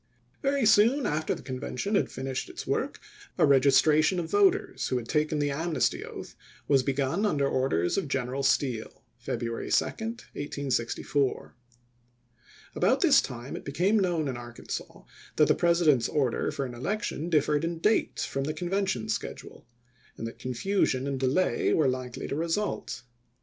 ^ Very soon after the Convention had finished its work, a registration of voters who had taken the amnesty oath was begun under orders of G eneral Steele (February 2, 1864). About this time it be came known in Arkansas that the President's order for an election differed in date from the Convention schedule ; and that confusion and delay were likely to result.